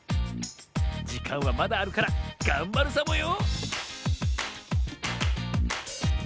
じかんはまだあるからがんばるサボよ